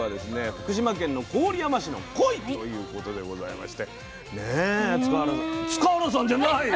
福島県の郡山市のコイということでございましてね塚原さん塚原さんじゃない！